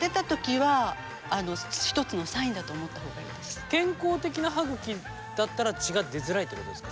基本的に健康的な歯ぐきだったら血が出づらいってことですか？